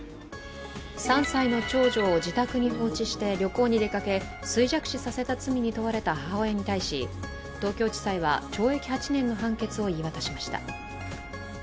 ３歳の長女を自宅に放置して旅行に出かけ衰弱死させた罪に問われた母親に対し、東京地裁は懲役８年の判決を言い渡しました。